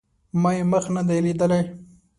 ما یې مخ نه دی لیدلی